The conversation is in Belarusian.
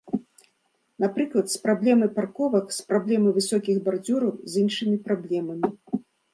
Напрыклад, з праблемай парковак, з праблемай высокіх бардзюраў, з іншымі праблемамі.